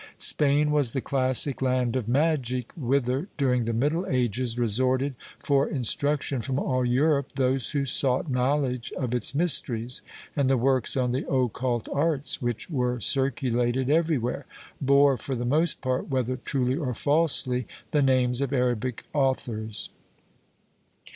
^ Spain was the classic land of magic whither, during the middle ages, resorted for instruction from all Europe those who sought knowledge of its mysteries, and the works on the occult arts, which were circulated everywhere, bore for the most part, whether truly or falsely, the names of Arabic authors.